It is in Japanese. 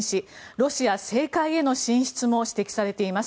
ロシア政界への進出も指摘されています。